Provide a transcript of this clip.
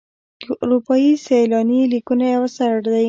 د اروپایي سیلاني لیکونه یو اثر دی.